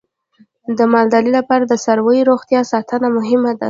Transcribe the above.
د مالدارۍ لپاره د څارویو روغتیا ساتنه مهمه ده.